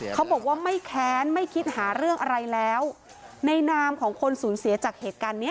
เขาบอกว่าไม่แค้นไม่คิดหาเรื่องอะไรแล้วในนามของคนสูญเสียจากเหตุการณ์เนี้ย